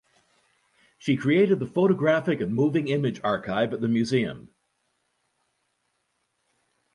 She created the Photographic and Moving Image Archive at the Museum.